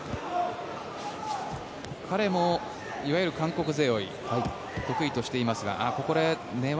彼もいわゆる韓国背負いを得意としていますがここで寝技。